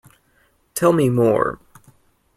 Tell me more.